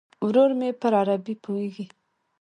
ورور مې پر عربي پوهیږي.